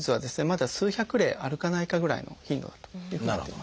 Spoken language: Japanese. まだ数百例あるかないかぐらいの頻度だというふうになっています。